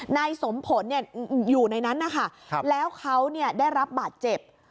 นายสมผลเนี่ยอยู่ในนั้นนะคะครับแล้วเขาเนี่ยได้รับบาดเจ็บ